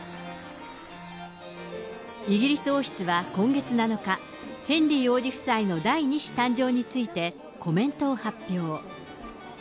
イギリス王室は今月７日、ヘンリー王子夫妻の第２子誕生についてコメントを発表。